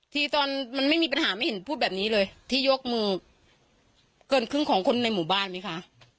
ทีตอนมันไม่มีปัญหาไม่เห็นพูดแบบนี้เลยที่ยกมือเกินครึ่งของคนในหมู่บ้านไหมคะ